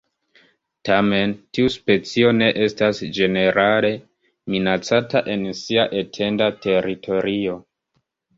Tamen, tiu specio ne estas ĝenerale minacata en sia etenda teritorio.